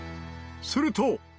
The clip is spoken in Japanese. すると。